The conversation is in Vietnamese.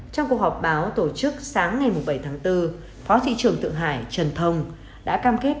trong cuộc họp báo tổ chức sáng ngày bảy tháng bốn phó thị trưởng tượng hải trần thông đã cam kết